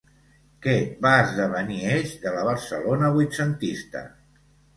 Què va esdevenir eix de la Barcelona vuitcentista?